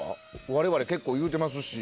我々、結構言うてますし。